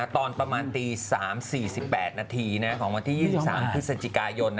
ตอนประมาณตี๓๔๘นาทีของวันที่๒๓พฤศจิกายน